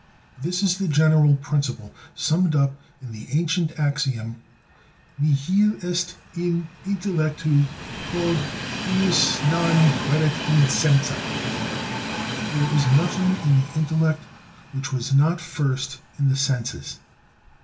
This is the general principle summed up in the ancient axiom: Nihil est in intellectu quod prius non fuerit in sensa (There is nothing in the intellect which was not first in the senses).